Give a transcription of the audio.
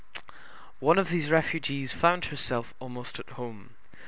One of these refugees found herself almost at home.